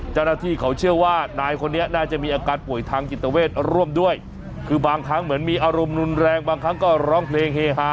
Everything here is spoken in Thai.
เจ้าหน้าที่เขาเชื่อว่านายคนนี้น่าจะมีอาการป่วยทางจิตเวทร่วมด้วยคือบางครั้งเหมือนมีอารมณ์รุนแรงบางครั้งก็ร้องเพลงเฮฮา